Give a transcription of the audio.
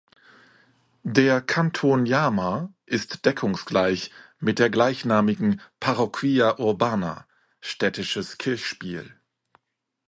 Der Kanton Jama ist deckungsgleich mit der gleichnamigen Parroquia urbana („städtisches Kirchspiel“).